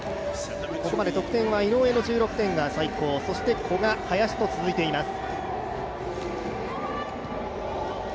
ここまで得点は井上の１６点が最高そして古賀、林と続いています。